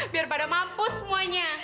biar pada mampus semuanya